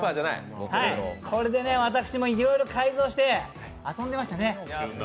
これで私もいろいろ改造して遊んでましたね。